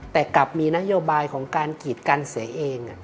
แต่กลับมีนโยบายของการกีดการเสียเอง